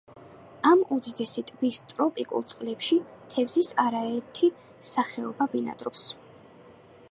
ამ უდიდესი ტბის ტროპიკულ წყლებში თევზის არაერთი სახეობა ბინადრობს.